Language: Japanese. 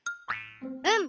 うん。